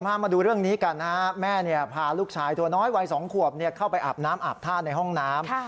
มาดูเรื่องนี้กันนะฮะแม่พาลูกชายตัวน้อยวัย๒ขวบเข้าไปอาบน้ำอาบท่าในห้องน้ำ